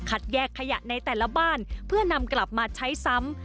แยกขยะในแต่ละบ้านเพื่อนำกลับมาใช้ซ้ำ